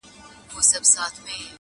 څوک به د خوشال له توري ومینځي زنګونه،